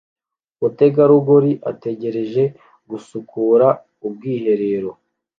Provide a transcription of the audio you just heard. Umutegarugori ategereje gusukura ubwiherero